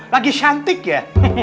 lagi shantik ya